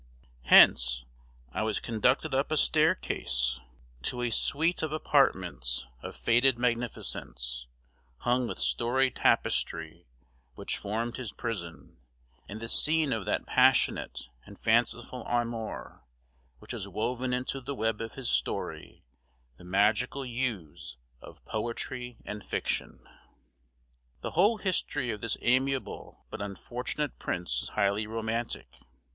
Hence I was conducted up a staircase to a suite of apartments, of faded magnificence, hung with storied tapestry, which formed his prison, and the scene of that passionate and fanciful amour, which has woven into the web of his story the magical hues of poetry and fiction. The whole history of this amiable but unfortunate prince is highly romantic.